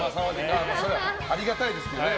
ありがたいですけどね。